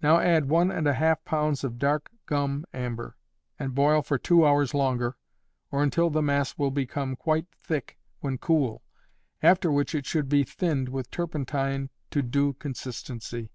Now add one and a half pounds of dark gum amber, and boil for two hours longer, or until the mass will become quite thick when cool, after which it should be thinned with turpentine to due consistency.